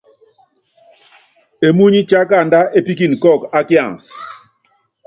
Emúny tiakanda epíkinin kɔ́ɔk a kiansɛ.